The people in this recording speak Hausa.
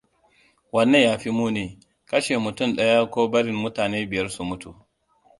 Wanne ya fi muni, kashe mutum ɗaya ko barin mutane biyar su mutu?